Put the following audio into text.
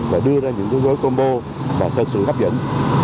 và đưa ra những đối gối combo thật sự hấp dẫn